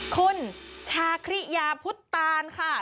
คุณชาคริยาพุทธตานค่ะ